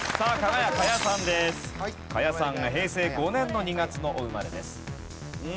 賀屋さんが平成５年の２月のお生まれです。